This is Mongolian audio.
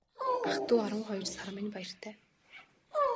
Ах дүү арван хоёр сар минь баяртай.